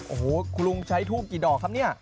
โอ้โหคุณลุงใช้ทูบกี่ดอกครับเนี่ย